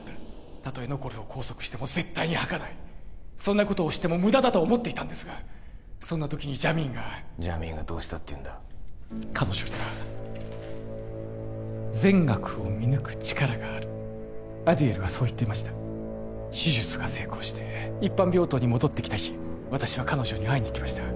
たとえノコルを拘束しても絶対に吐かないそんなことをしてもムダだと思っていたんですがそんな時にジャミーンがジャミーンがどうしたっていうんだ彼女には善悪を見抜く力があるアディエルはそう言っていました手術が成功して一般病棟に戻ってきた日私は彼女に会いに行きました